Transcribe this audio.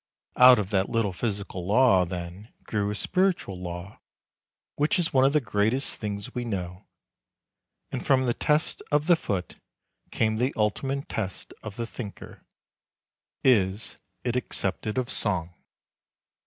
Out of that little physical law, then, grew a spiritual law which is one of the greatest things we know; and from the test of the foot came the ultimate test of the thinker: "Is it accepted of Song?"